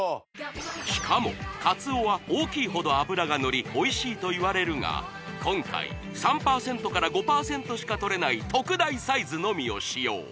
しかも鰹は大きいほど脂がのりおいしいといわれるが今回３％から５％しかとれない特大サイズのみを使用